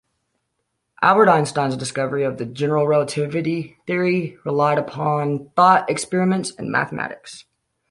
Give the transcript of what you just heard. Albert Einstein's discovery of the general relativity theory relied upon thought experiments and mathematics.